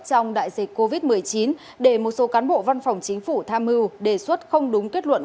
trong đại dịch covid một mươi chín để một số cán bộ văn phòng chính phủ tham mưu đề xuất không đúng kết luận